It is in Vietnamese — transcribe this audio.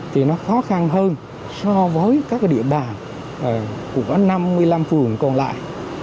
thì nó khó khăn hơn so với các địa bàn của năm mươi năm phường còn lại